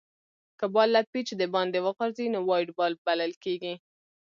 که بال له پيچ دباندي وغورځي؛ نو وایډ بال بلل کیږي.